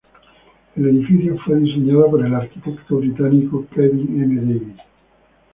El edificio fue diseñado por el arquitecto británico Kevin M Davies.